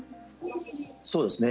そうですね。